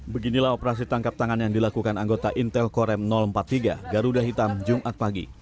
beginilah operasi tangkap tangan yang dilakukan anggota intel korem empat puluh tiga garuda hitam jumat pagi